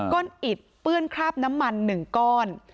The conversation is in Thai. อิดเปื้อนคราบน้ำมัน๑ก้อน